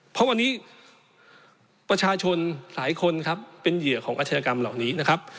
เพราะวันนี้ประชาชนหลายคนครับเป็นเหยื่อของอาชญากรรมเหล่านี้นะครับ